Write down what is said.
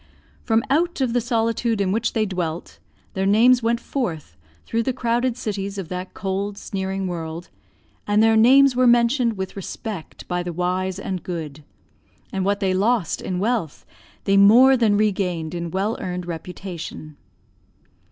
From out of the solitude in which they dwelt, their names went forth through the crowded cities of that cold, sneering world, and their names were mentioned with respect by the wise and good; and what they lost in wealth, they more than regained in well earned reputation.